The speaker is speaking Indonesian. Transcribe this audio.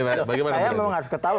saya memang harus ketawa